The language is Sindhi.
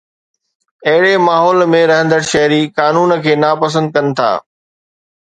اهڙي ماحول ۾ رهندڙ شهري قانون کي ناپسند ڪن ٿا